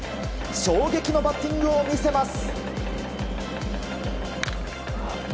衝撃のバッティングを見せます！